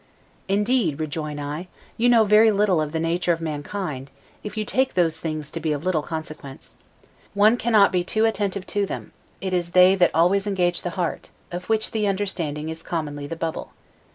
Indeed, rejoin I, you know very little of the nature of mankind, if you take those things to be of little consequence: one cannot be too attentive to them; it is they that always engage the heart, of which the understanding is commonly the bubble.